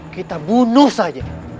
kita bunuh saja